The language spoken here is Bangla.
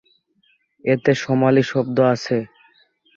এতে সোমালি শব্দ আছে।